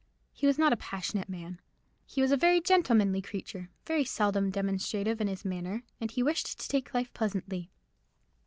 He was not a passionate man. He was a gentlemanly creature, very seldom demonstrative in his manner, and he wished to take life pleasantly.